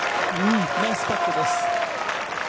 ナイスパットです。